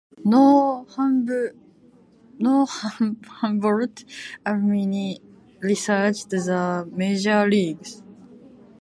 No Humboldt alumni reached the major leagues.